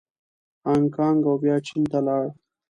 هانګکانګ او بیا چین ته لاړ.